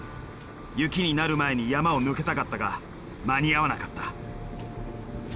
雪になる前に山を抜けたかったが間に合わなかった。